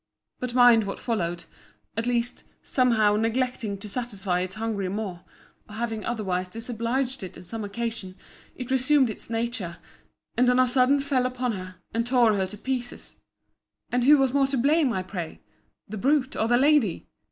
But mind what followed: at last, some how, neglecting to satisfy its hungry maw, or having otherwise disobliged it on some occasion, it resumed its nature; and on a sudden fell upon her, and tore her in pieces.—And who was most to blame, I pray? The brute, or the lady?